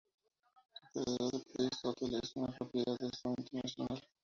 The Federal Palace Hotel es una propiedad de Sun International.